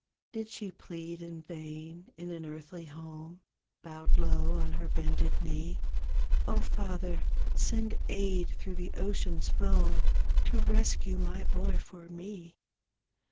Did she plead in vain in an earthly home Bowed low on her bended knee, ''0, Father, send aid through the ocean's foam To rescue my boy for me?"